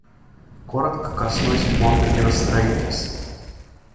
Коротко коснусь Фонда миростроительства.